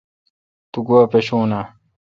تو گوا پاشون اؘ۔